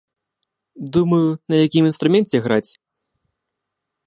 Думаю, на якім інструменце граць.